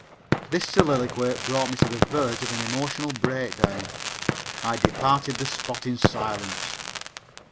This soliloquy brought me to the verge of an emotional break down. I departed the spot in silence.